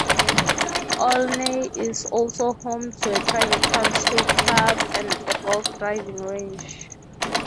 Olney is also home to a private country club and a golf driving range.